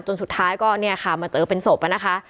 จนสุดท้ายมันเจอเป็นศพอะนะคะ